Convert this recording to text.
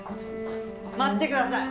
待ってください！